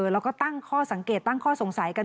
แล้วก็ตั้งข้อสังเกตตั้งข้อสงสัยกัน